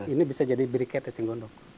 ini bisa jadi briket eceng gondok